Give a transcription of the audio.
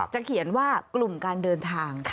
เขียนว่ากลุ่มการเดินทาง